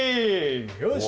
よし。